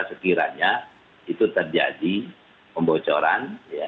sekiranya itu terjadi pembocoran